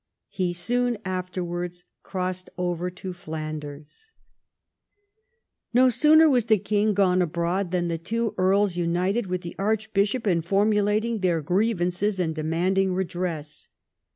He soon afterwards crossed over to Flanders. XI THE YEARS OF CRISIS 197 No sooner was the king gone abroad than the two earls united with the archbishop in formulating their grievances and demanding redress.